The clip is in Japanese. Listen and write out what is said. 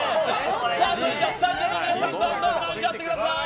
それじゃあスタジオの皆さんどんどん選んじゃってください。